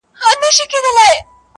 دا چي تاسي راته وایاست دا بکواس دی.